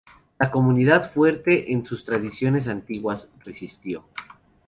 La comunidad, fuerte en sus tradiciones antiguas, resistió.